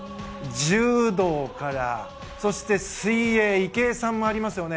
柔道から、そして水泳、池江さんもありますよね。